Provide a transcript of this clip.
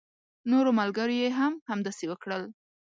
نورو ملګرو يې هم همداسې وکړل.